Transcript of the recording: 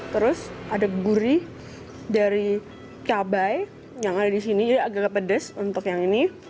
terus ada gurih dari cabai yang ada di sini jadi agak pedes untuk yang ini